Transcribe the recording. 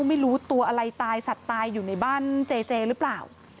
ไม่รู้ตัวอะไรตายสัตว์ตายอยู่ในบ้านเจเจหรือเปล่า